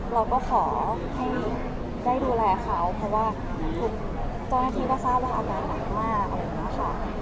เราก็ขอให้ได้ดูแลเขาเพราะว่าทุกเจ้าหน้าที่ก็ทราบว่าอาการหนักมาก